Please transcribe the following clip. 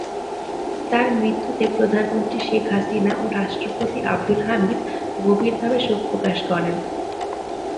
তার মৃত্যুতে প্রধানমন্ত্রী শেখ হাসিনা ও রাষ্ট্রপতি আব্দুল হামিদ গভীরভাবে শোক প্রকাশ করেন।